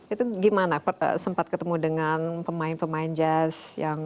itu gimana sempat ketemu dengan pemain pemain jazz yang